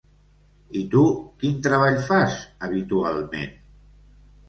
I tu, quin treball fas habitualment?